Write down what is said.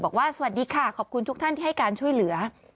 บอกว่าสวัสดีค่ะขอบคุณทุกท่านที่ให้การช่วยเหลือ